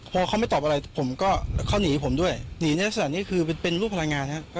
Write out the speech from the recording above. พอเขาไม่ตอบอะไรผมก็เขาหนีผมด้วยหนีในลักษณะนี้คือเป็นรูปพลังงานครับ